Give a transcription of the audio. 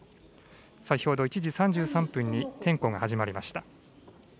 先ほど１時３３分に点呼が始まりました。